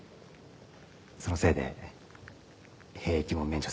そのせいで兵役も免除されました。